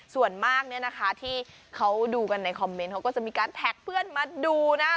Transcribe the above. ส่วนมากเนี่ยนะคะที่เขาดูกันในคอมเมนต์เขาก็จะมีการแท็กเพื่อนมาดูนะ